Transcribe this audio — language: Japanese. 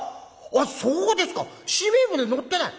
はあそうですか。